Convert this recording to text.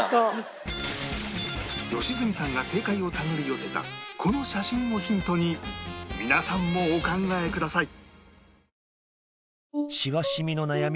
良純さんが正解を手繰り寄せたこの写真をヒントに皆さんもお考えください